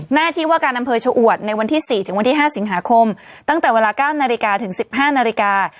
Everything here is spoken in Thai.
หน้าที่ว่าการอำเภอชะอวดในวันที่๔ถึงวันที่๕สิงหาคมตั้งแต่เวลา๙นาฬิกาถึง๑๕นาฬิกา